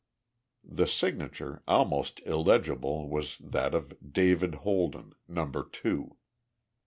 The signature, almost illegible, was that of "David Holden (Number two)."